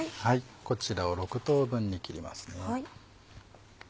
こちらを６等分に切りますね。